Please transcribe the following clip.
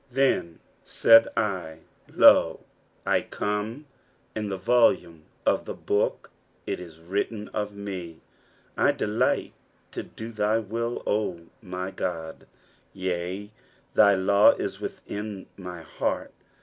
7 Then said I, Lo, I come : in the volume of the book it is written of me. 8 I delight to do thy will, O my God : yea, thy law is within my heart.